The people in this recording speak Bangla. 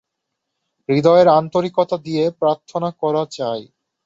হৃদয়ের আন্তরিকতা দিয়া প্রার্থনা করা চাই।